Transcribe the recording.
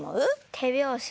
手拍子？